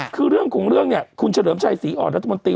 คือเรื่องของเรื่องเนี่ยคุณเฉลิมชัยศรีอ่อนรัฐมนตรี